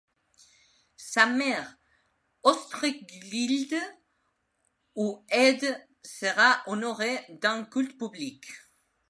Sa mère Austrégilde ou Aide sera honorée d'un culte public.